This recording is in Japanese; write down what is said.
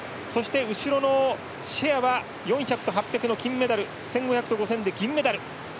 後ろのシェアは４００と８００の金メダル１５００と５０００で銀メダル。